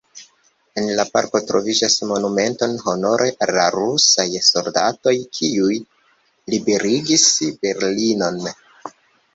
En la parko troviĝas monumento honore al la rusaj soldatoj, kiuj liberigis Berlinon.